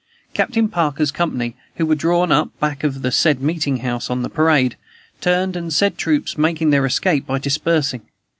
Captain Parker's company, who were drawn up back of said meeting house on the parade, turned from said troops, making their escape, by dispersing.